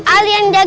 aduh oambet ya